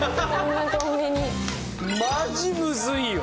マジむずいよ。